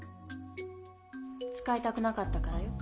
使いたくなかったからよ。